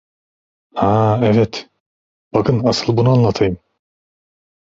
Ha, evet, bakın asıl bunu anlatayım.